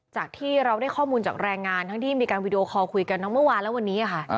จากที่เราได้ข้อมูลจากแรงงานทั้งที่มีการวิดีโอคอลคุยกันทั้งเมื่อวานและวันนี้ค่ะ